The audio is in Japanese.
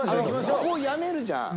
ここをやめるじゃん。